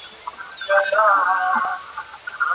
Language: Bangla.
আমি নিশ্চিত জরুরি কিছু নয়।